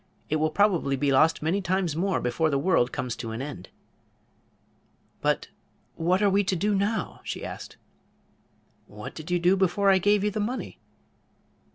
It will probably be lost many times more before the world comes to an end." "But what are we to do now?" she asked. "What did you do before I gave you the money?"